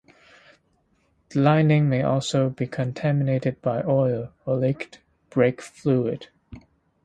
The lining may also become contaminated by oil or leaked brake fluid.